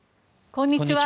こんにちは。